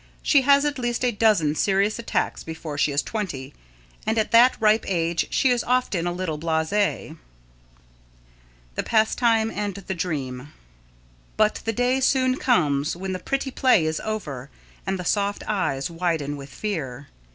She has at least a dozen serious attacks before she is twenty, and at that ripe age, is often a little blasé. [Sidenote: The Pastime and the Dream] But the day soon comes when the pretty play is over and the soft eyes widen with fear.